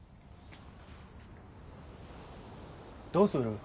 どうする？